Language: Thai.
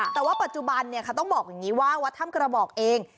แต่ว่าปัจจุบันเขาต้องบอกอย่างนี้ว่าวัดถ้ำกระบอกเอง